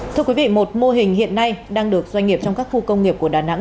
thưa quý vị một mô hình hiện nay đang được doanh nghiệp trong các khu công nghiệp của đà nẵng